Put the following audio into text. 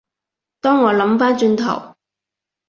當我諗返轉頭